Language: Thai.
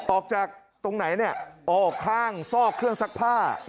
ออกจากตรงไหนออกข้างซอกเครื่องซักผ้า